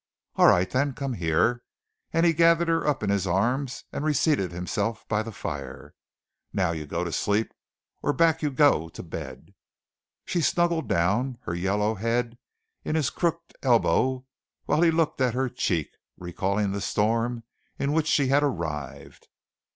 "All right, then, come here." And he gathered her up in his arms and reseated himself by the fire. "Now you go to sleep or back you go to bed." She snuggled down, her yellow head in his crook'd elbow while he looked at her cheek, recalling the storm in which she had arrived.